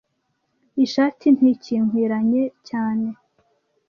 Iyi shati ntikinkwiranye cyane